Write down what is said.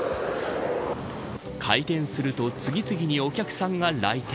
開店すると次々にお客さんが来店。